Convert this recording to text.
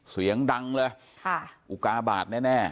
เสียงดังเลยอุกาบาทแน่